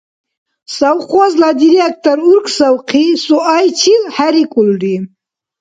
Совхозла директор уркӀсавхъи, суайчил хӀерикӀулри.